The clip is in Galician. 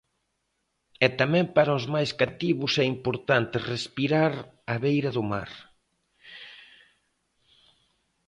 E tamén para os máis cativos é importante respirar a beira do mar.